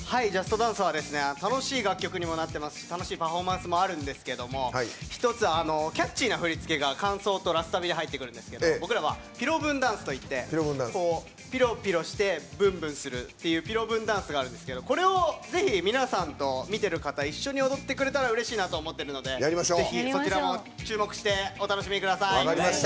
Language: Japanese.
「ＪＵＳＴＤＡＮＣＥ！」は楽しい楽曲にもなってて楽しいパフォーマンスもあるんですけど一つキャッチーな振り付けが間奏とラスサビで入ってくるんですけどピロブンダンスっていってピロピロしてブンブンするピロブンダンスがあるんですけどこれをぜひ皆さんと一緒に見てる方一緒に踊ってくれたらうれしいなと思っているのでぜひ、そちらも注目してお楽しみください。